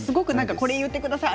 これを言ってください